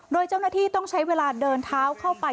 โดยเจ้าหน้าที่ต้องใช้เวลาเดินเท้าเข้าไป